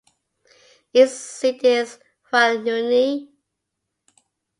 Its seat is Huanuni.